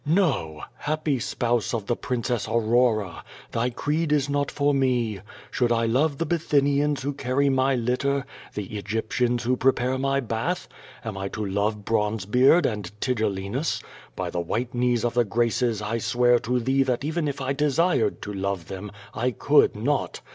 Xo! Happy spouse of the Princess Aurora! Thy creed is not for me. Should I love the Bithynians who carry my litter, the Egyptians who prepare my bath? Am I to love Bronzebeard and Tigcllinus? By the white knees of the Graces, I swear to thee that even if I desired to love them, I could not!